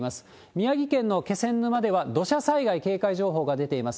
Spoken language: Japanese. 宮城県の気仙沼では、土砂災害警戒情報が出ています。